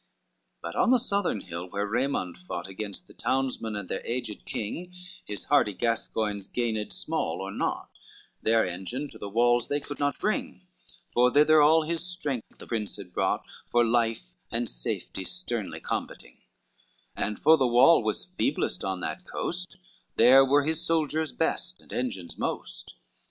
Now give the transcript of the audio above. CII But on the southern hill, where Raymond fought Against the townsmen and their aged king, His hardy Gascoigns gained small or naught; Their engine to the walls they could not bring, For thither all his strength the prince had brought, For life and safety sternly combating, And for the wall was feeblest on that coast, There were his soldiers best, and engines most.